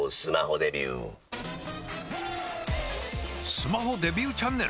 スマホデビューチャンネル！？